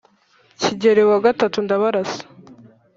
kigeli wa gatatu ndabarasa